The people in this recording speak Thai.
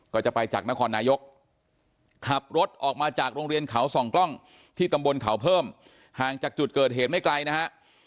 ก็จะไปจากนครนายกขับรถออกมาจากโรงเรียนเขาส่องกล้องที่ตำบลเขาเพิ่มห่างจากจุดเกิดเหตุไม่ไกลนะฮะ